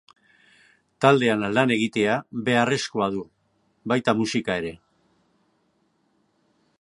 Taldean lan egitea beharrezko du, baita musika ere.